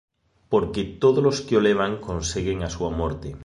Porque todos os que o levan conseguen a súa morte".